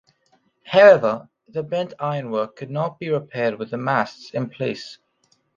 However, the bent ironwork could not be repaired with the masts in place.